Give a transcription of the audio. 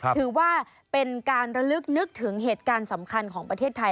ถือว่าเป็นการระลึกนึกถึงเหตุการณ์สำคัญของประเทศไทย